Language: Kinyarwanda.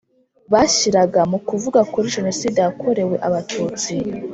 bashyiraga mu kuvuga kuri jenoside yakorewe abatutsi